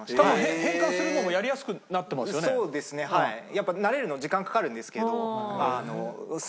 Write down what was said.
やっぱ慣れるの時間かかるんですけどすごい早く皆さん。